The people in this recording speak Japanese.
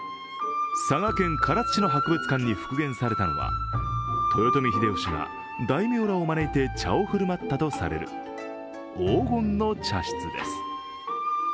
佐賀県唐津市の博物館に復元されたのは豊臣秀吉が大名らを招いて茶を振る舞ったとされる黄金の茶室です。